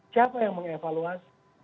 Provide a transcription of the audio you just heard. siapa yang mengevaluasi